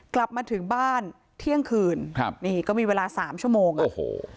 กลับมาถึงบ้านเที่ยงคืนก็มีเวลา๓ชั่วโมงนะโอ้โห